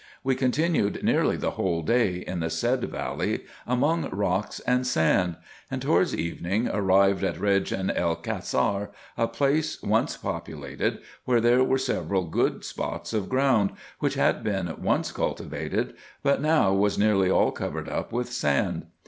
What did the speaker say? We continued nearly the whole day in the said valley, among rocks and sand ; and, towards evening, arrived at Eejen el Cassar, a place once populated, where there were several good spots of ground, which had been once cultivated, but now was nearly all covered up with sand.